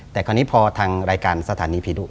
แต่คราวนี้พอทางรายการสถานีผีดุ